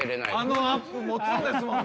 あのアップ持つんですもん。